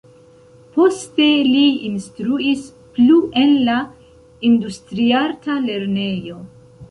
Poste li instruis plu en la Industriarta Lernejo.